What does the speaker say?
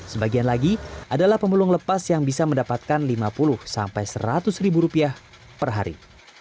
sebagian lagi adalah pemulung lepas yang bisa mendapatkan lima puluh sampai seratus ribu rupiah per hari